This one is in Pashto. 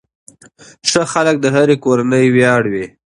ښه خلک د هرې کورنۍ ویاړ وي.